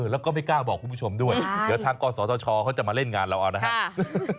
แล้วก็ไม่กล้าบอกคุณผู้ชมด้วยเดี๋ยวทางกศธชเขาจะมาเล่นงานเราเอานะครับ